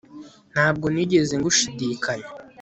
Ntabwo nigeze ngushidikanya